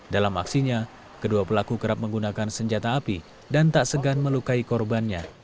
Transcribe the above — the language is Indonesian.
dalam aksinya kedua pelaku kerap menggunakan senjata api dan tak segan melukai korbannya